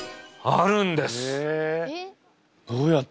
えどうやって？